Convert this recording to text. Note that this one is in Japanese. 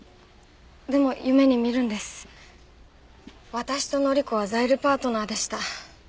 私と範子はザイルパートナーでした。